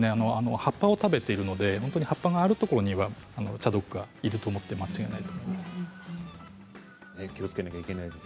葉っぱを食べているので葉っぱのあるところにはチャドクガがいると思っていただいていいと思います。